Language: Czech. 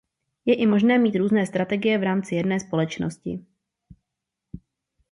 Je i možné mít různé strategie v rámci jedné společnosti.